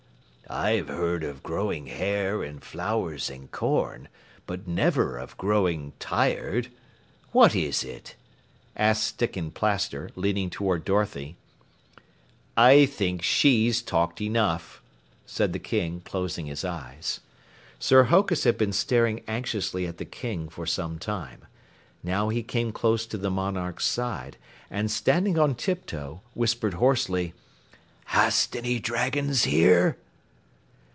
"I've heard of growing hair and flowers and corn, but never of growing tired. What is it?" asked Sticken Plaster, leaning toward Dorothy. "I think she's talked enough," said the King, closing his eyes. Sir Hokus had been staring anxiously at the King for some time. Now he came close to the monarch's side, and standing on tiptoe whispered hoarsely: "Hast any dragons here?"